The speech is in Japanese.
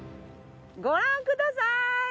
ご覧ください！